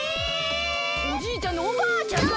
おじいちゃんのおばあちゃんが。